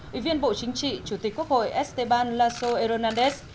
ủy viên bộ chính trị chủ tịch quốc hội esteban lazo hernández